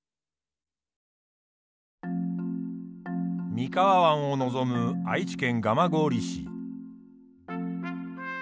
三河湾をのぞむ愛知県蒲郡市。